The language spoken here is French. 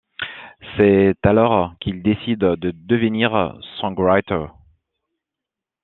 C'est alors qu'il décide de devenir songwriter.